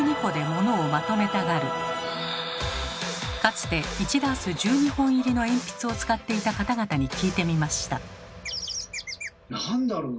かつて１ダース１２本入りの鉛筆を使っていた方々に聞いてみました。